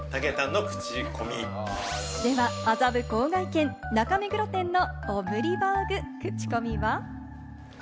麻布笄軒、中目黒店のオムリバーグ、クチコミは。